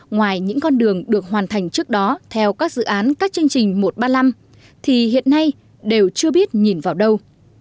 ngoài những con đường được hoàn thành trước đó theo các dự án các chương trình một trăm ba mươi năm thì hiện nay đều chưa biết nhìn vào đâu